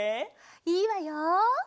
いいわよ。